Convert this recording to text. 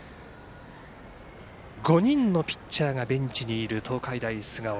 ５人のピッチャーがベンチにいる東海大菅生。